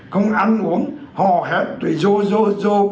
không ăn uống hò hét tùy dô dô dô